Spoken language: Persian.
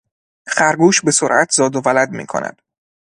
خرگوش به سرعت زاد و ولد میکند.